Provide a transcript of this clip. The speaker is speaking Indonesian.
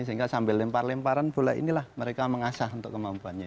sehingga sambil lempar lemparan bola inilah mereka mengasah untuk kemampuannya